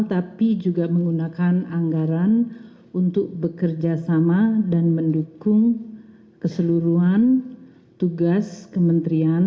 tapi juga menggunakan anggaran untuk bekerja sama dan mendukung keseluruhan tugas kementerian